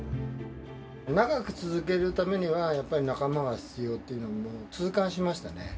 長く続けるためには、やっぱり仲間が必要というのを痛感しましたね。